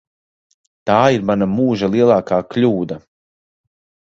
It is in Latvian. Tā ir mana mūža lielākā kļūda.